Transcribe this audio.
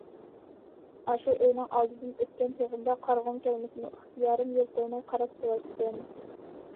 ئاشۇ ئۆينىڭ ئالدىدىن ئۆتكەن چېغىمدا قارىغۇم كەلمىسىمۇ ئىختىيارىم يول قويماي قاراپ سالاتتىم.